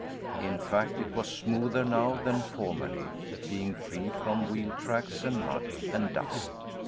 In fact, it was smoother now than formerly, being free from wheel tracks, and mud, and dust.